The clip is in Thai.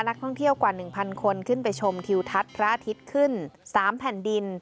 นักท่องเที่ยวกว่า๑๐๐คนขึ้นไปชมทิวทัศน์พระอาทิตย์ขึ้น๓แผ่นดิน